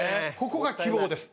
ここが希望です。